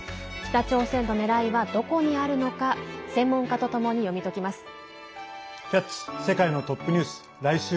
北朝鮮のねらいはどこにあるのか専門家とともに読み解きます。